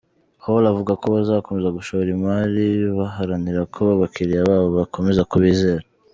Hall avuga ko bazakomeza gushora imari baharanira ko abakiriya babo bakomeza kubizera.